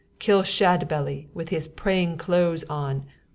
Kill Shadbelly, with his praying clothes on!'